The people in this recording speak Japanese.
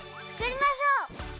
つくりましょう！